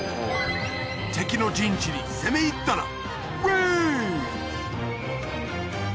敵の陣地に攻め入ったらウィン！